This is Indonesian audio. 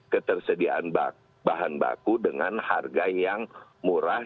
ketersediaan bahan baku dengan harga yang murah